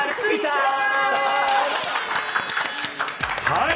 はい。